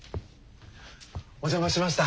お邪魔しました。